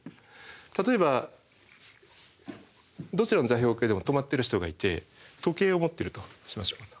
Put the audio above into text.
例えばどちらの座標系でも止まってる人がいて時計を持ってるとしましょう。